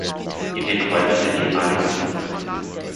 In den Räumen der ehem.